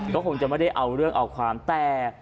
ก็คงจะไม่ได้เอาเรื่องเอาความแต่